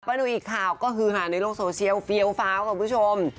ประหนูอีกข่าวก็คือค่ะในโลกโซเชียลเฟียวฟ้าวครับคุณผู้ชม